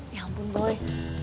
ya ampun boy